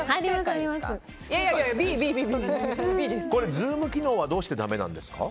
これ、ズーム機能はどうしてだめなんですか？